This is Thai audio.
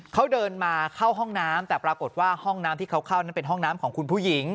เขาเดินมาเข้าห้องน้ำแต่ปรากฏว่าห้องน้ำที่เขาเข้านั้นเป็นห้องน้ำของคุณผู้หญิง